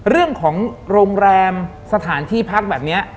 เรื่องของโรงแรมสถานที่พักแบบนี้